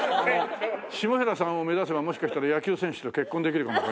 下平さんを目指せばもしかしたら野球選手と結婚できるかも。